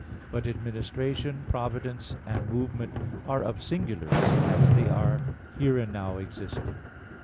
But administration, providence and movement are of singulars, as they are here and now existing.